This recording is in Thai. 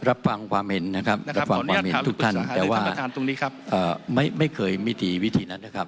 รับฟังความเห็นนะครับรับฟังความเห็นทุกท่านแต่ว่าไม่เคยมีทีวิธีนั้นนะครับ